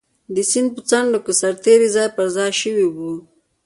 د سیند په څنډو کې سرتېري ځای پر ځای شوي وو.